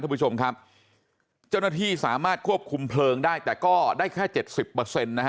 ท่านผู้ชมครับเจ้าหน้าที่สามารถควบคุมเพลิงได้แต่ก็ได้แค่๗๐